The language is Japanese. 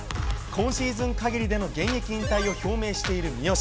今シーズンかぎりでの現役引退を表明している三好。